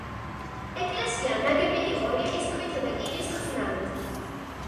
ეკლესია ნაგები იყო რიყის ქვითა და კირის ხსნარით.